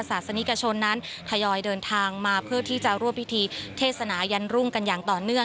สนิทกาชนนั้นอย่ามีคนได้เดินทางมาเพื่อที่จะร่วมปีที่เทศนายันรุ่งกันอย่าง